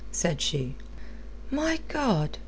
said she. "My God!